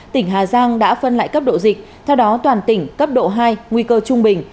tỉnh hà giang đã phân loại cấp độ dịch theo đó toàn tỉnh cấp độ hai nguy cơ trung bình